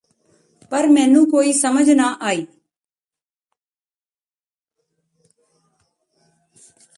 ਪਰ ਮੈਨੂੰ ਕੋਈ ਸਮਝ ਨਾ ਆਈ